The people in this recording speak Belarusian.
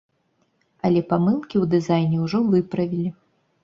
Але памылкі ў дызайне ўжо выправілі.